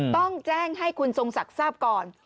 ต้องแจ้งให้คุณทรงศักดิ์ทราบก่อน